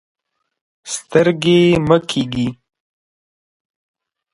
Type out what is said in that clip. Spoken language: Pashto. سترګۍ مه کیږئ.